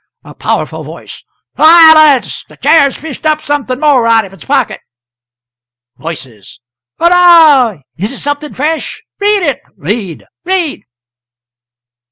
A Powerful Voice. "Silence! The Chair's fished up something more out of its pocket." Voices. "Hurrah! Is it something fresh? Read it! read! read!"